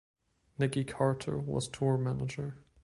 Nikki Carter was tour manager.